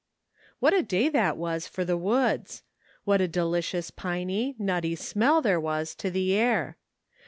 TTTHAT a day that was for the woods! '' what a delicious piney, nutty smell there was to the air!